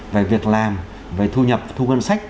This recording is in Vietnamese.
về việc làm về thu nhập thu ngân sách